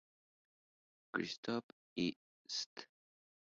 Christoph y St.